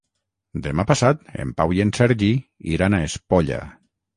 Demà passat en Pau i en Sergi iran a Espolla.